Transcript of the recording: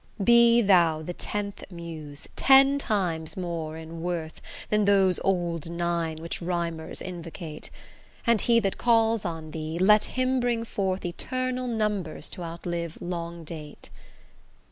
Be thou the tenth Muse, ten times more in worth Than those old nine which rhymers invocate; And he that calls on thee, let him bring forth Eternal numbers to outlive long date.